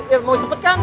iya mau cepet kan